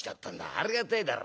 ありがてえだろ？